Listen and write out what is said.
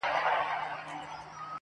په سپورمۍ كي ستا تصوير دى.